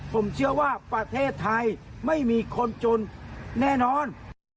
ผมเชื่อว่าประเทศไทยไม่มีคนจนแน่นอน